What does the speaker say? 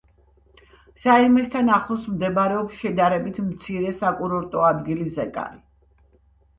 საირმესთან ახლოს მდებარეობს შედარებით მცირე საკურორტო ადგილი ზეკარი.